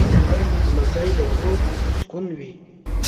لمسی د کور سکون وي.